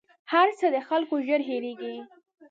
هر څه د خلکو ژر هېرېـږي